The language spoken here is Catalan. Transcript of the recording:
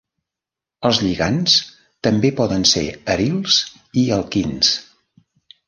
Els lligands també poden ser arils i alquins.